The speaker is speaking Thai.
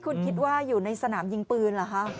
คุณคิดว่าอยู่ในสนามยิงปืนเหรอคะ